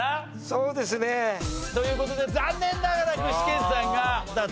そうですね。という事で残念ながら具志堅さんが脱落。